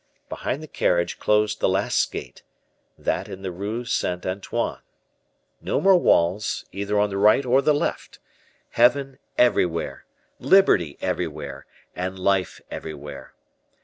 Behind the carriage closed the last gate, that in the Rue St. Antoine. No more walls either on the right or the left; heaven everywhere, liberty everywhere, and life everywhere.